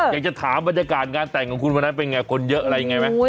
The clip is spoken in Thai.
อยากจะถามบรรยากาศงานแต่งของคุณวันนั้นเป็นไงคนเยอะอะไรยังไงไหม